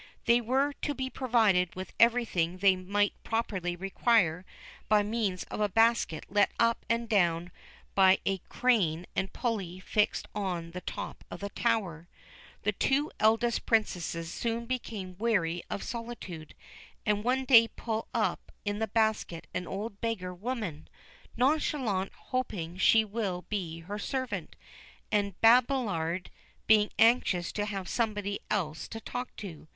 They were to be provided with everything they might properly require by means of a basket let up and down by a crane and pulley fixed on the top of the tower. The two eldest Princesses soon become weary of solitude, and one day pull up in the basket an old beggar woman, Nonchalante hoping she will be her servant, and Babillarde being anxious to have somebody else to talk to.